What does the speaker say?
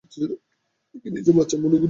তুমি কি নিজেকে বাচ্চা মনে করো নাকি?